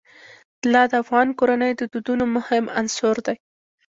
طلا د افغان کورنیو د دودونو مهم عنصر دی.